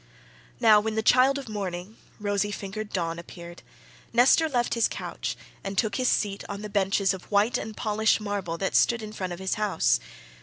Now when the child of morning rosy fingered Dawn appeared, Nestor left his couch and took his seat on the benches of white and polished marble that stood in front of his house.